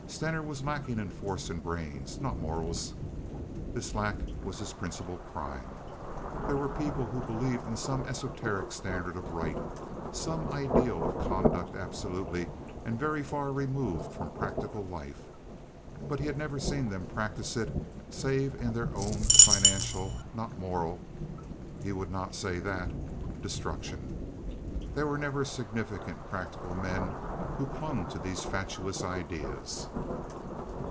Stener was lacking in force and brains—not morals. This lack was his principal crime. There were people who believed in some esoteric standard of right—some ideal of conduct absolutely and very far removed from practical life; but he had never seen them practice it save to their own financial (not moral—he would not say that) destruction. They were never significant, practical men who clung to these fatuous ideals.